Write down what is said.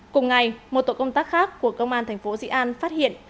cùng ngày một tổ công tác khác của công an thành phố di an phát hiện